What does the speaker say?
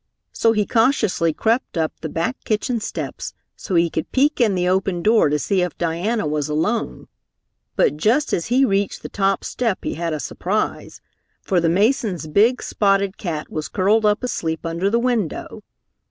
So he cautiously crept up the back kitchen steps so he could peek in the open door to see if Diana was alone, but just as he reached the top step he had a surprise, for the Mason's big, spotted cat was curled up asleep under the window.